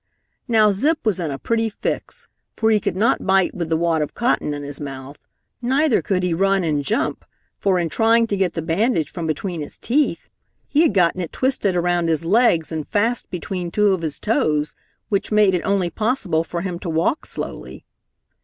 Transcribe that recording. Now Zip was in a pretty fix, for he could not bite with the wad of cotton in his mouth, neither could he run and jump for in trying to get the bandage from between his teeth, he had gotten it twisted around his legs and fast between two of his toes, which made it only possible for him to walk slowly.